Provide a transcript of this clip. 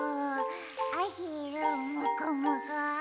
あひるんもこもこ。